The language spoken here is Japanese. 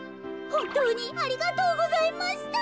ほんとうにありがとうございました。